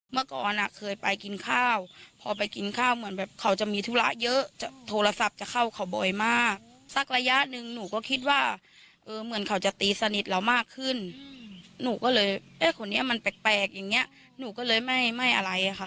เมื่อก่อนอ่ะเคยไปกินข้าวพอไปกินข้าวเหมือนแบบเขาจะมีธุระเยอะโทรศัพท์จะเข้าเขาบ่อยมากสักระยะหนึ่งหนูก็คิดว่าเออเหมือนเขาจะตีสนิทเรามากขึ้นหนูก็เลยเอ๊ะคนนี้มันแปลกอย่างเงี้ยหนูก็เลยไม่อะไรค่ะ